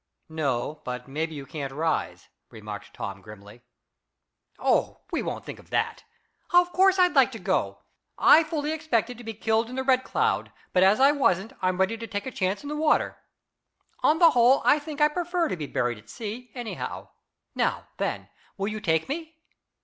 "No; but maybe you can't rise," remarked Tom grimly. "Oh, we won't think of that. Of course, I'd like to go. I fully expected to be killed in the Red Cloud, but as I wasn't. I'm ready to take a chance in the water. On the whole, I think I prefer to be buried at sea, anyhow. Now, then, will you take me?"